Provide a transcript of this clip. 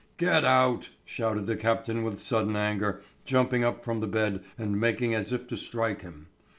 "Get out!" shouted the captain with sudden anger, jumping up from the bed and making as if to strike him.